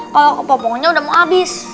kalau kepompongnya udah mau abis